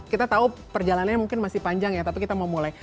kita tahu perjalanannya mungkin masih panjang ya tapi kita mau mulai